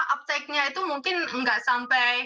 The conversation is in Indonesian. uptake nya itu mungkin nggak sampai